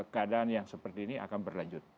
keadaan yang seperti ini akan berlanjut